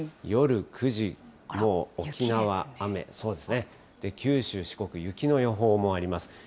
夜９時、もう沖縄、雨、九州、四国、雪の予報もあります。